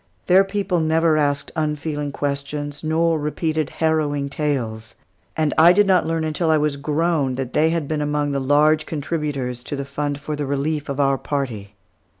Their people never asked unfeeling questions, nor repeated harrowing tales; and I did not learn until I was grown that they had been among the large contributors to the fund for the relief of our party.